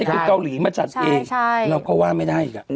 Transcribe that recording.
คือเกาหลีมาจัดเองเราก็ว่าไม่ได้อีก